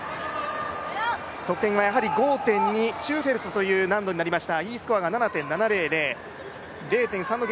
得点はシューフェルトということになりました。